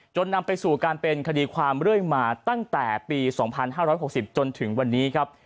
นำไปสู่การเป็นคดีความเรื่อยมาตั้งแต่ปี๒๕๖๐จนถึงวันนี้ครับ